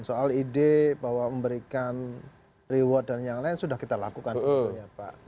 soal ide bahwa memberikan reward dan yang lain sudah kita lakukan sebetulnya pak